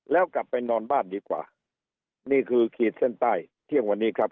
แล้วกลับไปนอนบ้านดีกว่านี่คือขีดเส้นใต้เที่ยงวันนี้ครับ